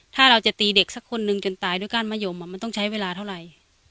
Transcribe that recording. ถ้าเราจะตีเด็กสักคนนึงจนตายด้วยก้านมะยมมันต้องใช้เวลาเท่าไหร่